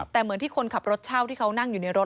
แต่เหมือนที่คนขับรถเช่าที่เขานั่งอยู่ในรถ